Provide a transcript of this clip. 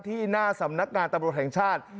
ที่หน้าสำนักงานตำรวจแห่งชาติ